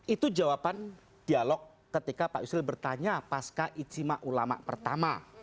itu jawaban dialog ketika pak yusril bertanya pasca istimewa ulama pertama